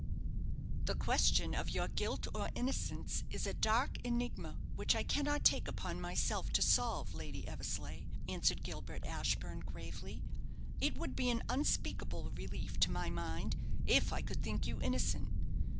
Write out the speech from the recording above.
"The question of your guilt or innocence is a dark enigma which I cannot take upon myself to solve, Lady Eversleigh," answered Gilbert Ashburne, gravely. "It would be an unspeakable relief to my mind if I could think you innocent.